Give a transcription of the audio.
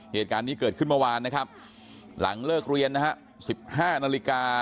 เหตุการณ์นี้เกิดขึ้นเมื่อวานนะครับหลังเลิกเรียนนะฮะ๑๕นาฬิกา